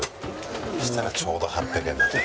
そしたらちょうど８００円だった。